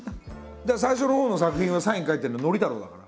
だから最初のほうの作品はサイン書いてるの憲太郎だから。